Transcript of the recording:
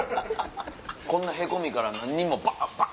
こんなへこみから何人もバン！